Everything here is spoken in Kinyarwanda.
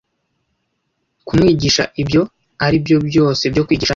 kumwigisha ibyo aribyo byose byo kwigisha,